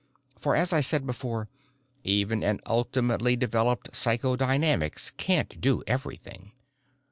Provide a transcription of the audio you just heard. For as I said before, even an ultimately developed psychodynamics can't do everything.